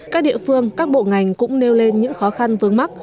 các địa phương các bộ ngành cũng nêu lên những khó khăn vướng mắt